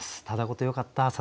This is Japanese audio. ただごとよかった。